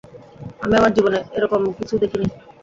আমি আমার জীবনে এরকম কিছু দেখিনি!